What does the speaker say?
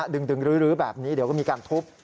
ดึงรื้อแบบนี้เดี๋ยวก็มีการทุบ